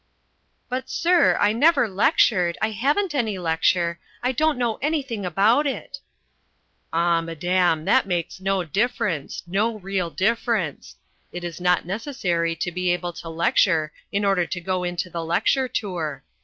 "But, sir, I never lectured, I haven't any lecture, I don't know anything about it." "Ah, madam, that makes no difference no real difference. It is not necessary to be able to lecture in order to go into the lecture tour.